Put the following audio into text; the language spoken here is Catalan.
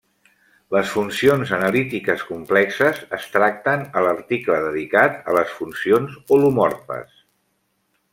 Les funcions analítiques complexes es tracten a l'article dedicat a les funcions holomorfes.